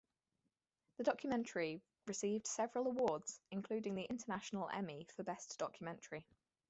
The documentary received several awards, including the International Emmy for Best Documentary.